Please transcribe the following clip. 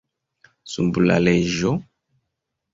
Sub la leĝo?